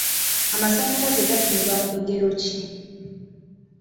Amasanyalaze gapimibwa mu bigero ki?